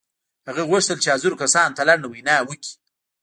هغه غوښتل چې حاضرو کسانو ته لنډه وینا وکړي